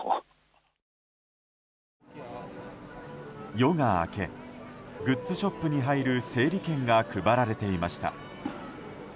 夜が明けグッズショップに入る整理券が配られていました。